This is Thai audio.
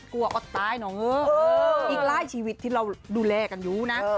กลัวก็ตายหออีกหลายชีวิตที่เราดูแลกันอยู่นะ